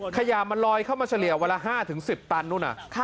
ขยะมันลอยเข้ามาเฉลี่ยวันละ๕๑๐ตันนู่น